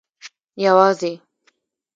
یوازي